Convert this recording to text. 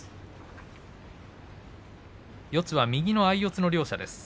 右の相四つの両者です。